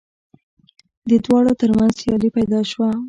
د دواړو تر منځ سیالي پیدا شوه